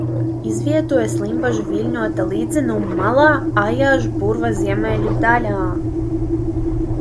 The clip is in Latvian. Izvietojies Limbažu viļņotā līdzenuma malā Aijažu purva ziemeļu daļā.